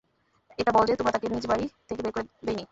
এটা বল যে আমরা তাকে নিজ বাড়ি থেকে বের করে দেই নি।